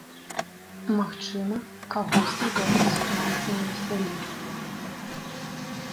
Магчыма, кагосьці гэта сітуацыя весяліць.